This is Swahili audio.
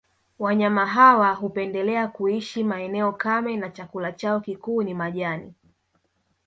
Wanyama hawa hupendelea kuishi maeneo kame na chakula chao kikuu ni majani